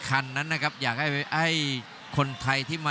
กรุงฝาพัดจินด้า